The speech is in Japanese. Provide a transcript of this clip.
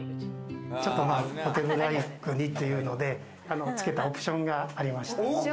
ちょっとホテルライクにっていうので、つけたオプションがありまして。